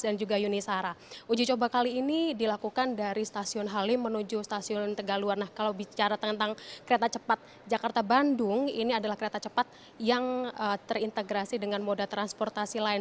dan juga ada yang menunjukkan bahwa kereta cepat jakarta bandung ini adalah kereta cepat yang terintegrasi dengan moda transportasi lain